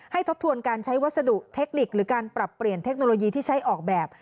ทบทวนการใช้วัสดุเทคนิคหรือการปรับเปลี่ยนเทคโนโลยีที่ใช้ออกแบบ